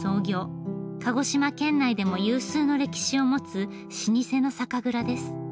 鹿児島県内でも有数の歴史を持つ老舗の酒蔵です。